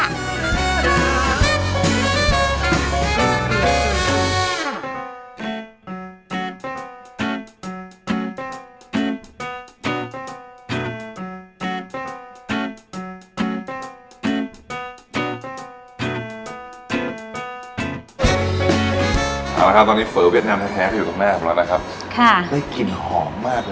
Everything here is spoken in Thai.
อะเราจะหาตอนนี้เฟ้อเวียดนามแท้ที่อยู่ก็แม่